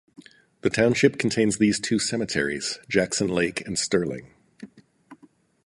The township contains these two cemeteries: Jackson Lake and Sterling.